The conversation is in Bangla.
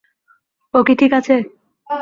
ও কি ঠিক আছে?